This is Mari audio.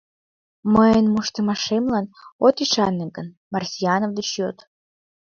Мыйын моштымашемлан от ӱшане гын, Марсианов деч йод.